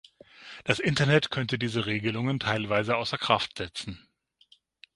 Das Internet könnte diese Regelungen teilweise außer Kraft setzen.